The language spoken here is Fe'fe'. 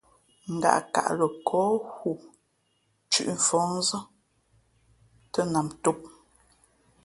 Ngaʼkaʼ lαkάά hu thʉ̄ʼ mfα̌hnzᾱ tᾱ nam tōm.